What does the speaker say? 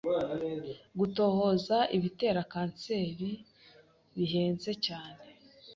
Gutohoza ibitera kanseri bihenze cyane.